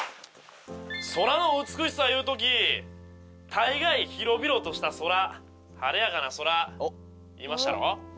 「空の美しさいうときたいがい広々とした空晴れやかな空いいまっしゃろ？」